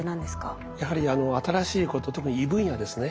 やはり新しいこと特に異分野ですね。